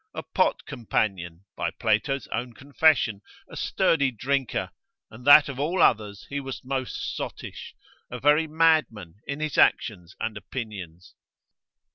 a pot companion, by Plato's own confession, a sturdy drinker; and that of all others he was most sottish, a very madman in his actions and opinions.